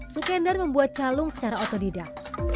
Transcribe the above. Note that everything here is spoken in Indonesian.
sukendar membuat calung secara otodidak